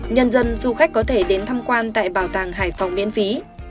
nhân dân du khách có thể đến thăm quan tại bảo tàng hải phòng miễn phí